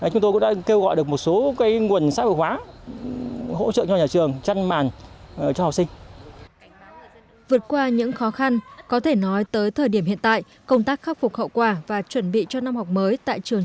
chúng tôi cũng đã kêu gọi được một số nguồn xác hội hóa hỗ trợ cho nhà trường